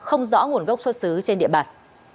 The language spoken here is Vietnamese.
không rõ nguồn gốc xuất xứ trên địa bàn